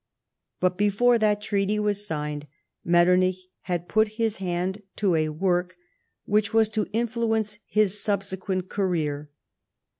But before that treaty was signed Metternich had put his hand to a work which was to influence his subsequent career.